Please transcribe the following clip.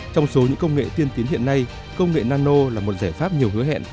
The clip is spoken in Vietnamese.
trong số những công nghệ tiên tiến hiện nay công nghệ nano là một giải pháp nhiều hứa hẹn